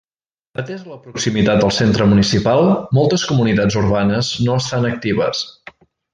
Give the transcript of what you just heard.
Atesa la proximitat al centre municipal, moltes comunitats urbanes no estan actives.